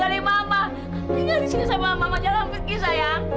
kamu tinggal di sini sama mama jangan pergi sayang